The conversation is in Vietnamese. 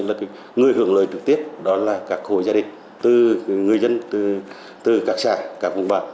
là người hưởng lợi trực tiếp đó là các hồ gia đình từ người dân từ các xã các vùng bản